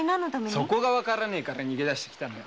そこが分からねえから逃げ出して来たのよ。